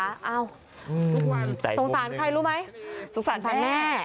โฆษรใครรู้ไหมสุขศาลแม่